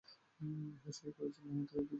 হুঁশিয়ার করার জন্য সে ওদের ঝুলিয়ে রেখেছে।